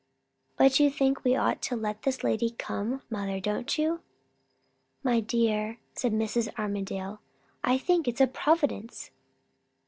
"But you think we ought to let this lady come, mother, don't you?" "My dear," said Mrs. Armadale, "I think it's a providence!"